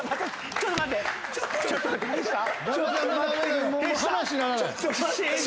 ちょっと待ってくれ。